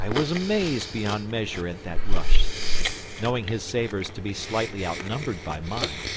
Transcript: I was amazed beyond measure at that rush, knowing his sabres to be slightly outnumbered by mine.